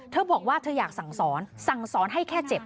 บอกว่าเธออยากสั่งสอนสั่งสอนให้แค่เจ็บ